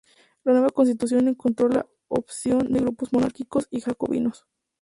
La nueva Constitución encontró la oposición de grupos monárquicos y jacobinos.